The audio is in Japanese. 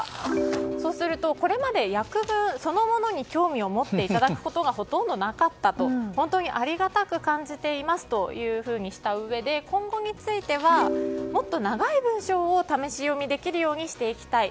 そうすると、これまで訳文そのものに興味を持っていただくことがほとんどなかったと本当にありがたく感じていますというふうにしたうえで今後についてはもっと長い文章を試し読みできるようにしていきたい。